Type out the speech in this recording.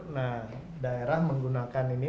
nah daerah menggunakan ini